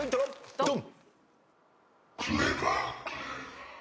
ドン！